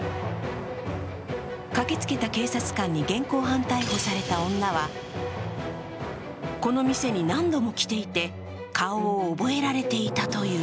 駆けつけた警察官に現行犯逮捕された女はこの店に何度も来ていて、顔を覚えられていたという。